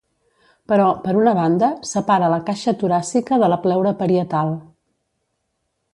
Però, per una banda, separa la caixa toràcica de la pleura parietal.